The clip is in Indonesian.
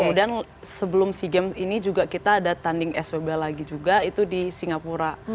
kemudian sebelum sea games ini juga kita ada tanding sob lagi juga itu di singapura